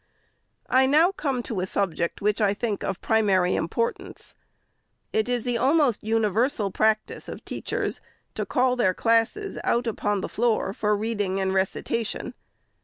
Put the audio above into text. I now come to a subject, which I think of primary importance. It is the almost universal practice of teach ers to call their classes out upon the floor for reading and recitation.